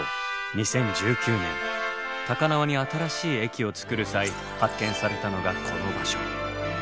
２０１９年高輪に新しい駅を作る際発見されたのがこの場所。